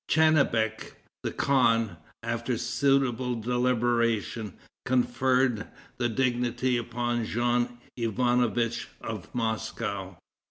Tchanibek, the khan, after suitable deliberation, conferred the dignity upon Jean Ivanovitch of Moscow.